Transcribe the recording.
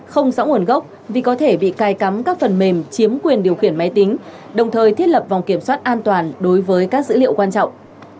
không rõ nguồn gốc vì có thể bị cài cắm các phần mềm chiếm quyền điều khiển máy tính đồng thời thiết lập vòng kiểm soát an toàn đối với các dữ liệu quan trọng